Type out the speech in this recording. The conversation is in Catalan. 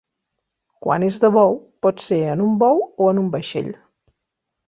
Quan és de bou pot ser en un bou o en un vaixell.